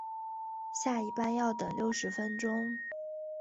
下一班要等六十分钟